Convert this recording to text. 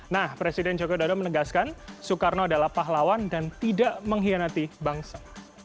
nah presiden jokowi dodo menegaskan soekarno adalah pahlawan dan tidak menghianati bangsa